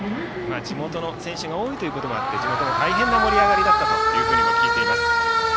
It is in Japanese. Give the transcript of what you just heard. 地元の選手が多いこともあって地元も大変な盛り上がりだったと聞いています。